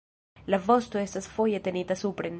La vosto estas foje tenita supren.